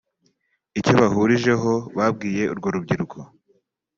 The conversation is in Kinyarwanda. Icyo bahurijeho babwiye urwo rubyiruko